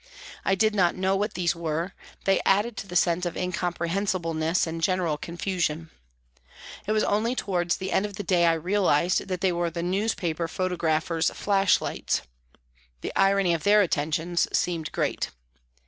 I did not know what these were, they added to the sense of incompre hensibleness and general confusion. It was only towards the end of the day I realised that they were the newspaper photographers' flashlights. The irony of their attentions seemed great.